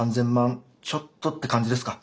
ちょっとって感じですか？